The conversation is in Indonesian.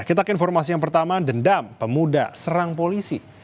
kita ke informasi yang pertama dendam pemuda serang polisi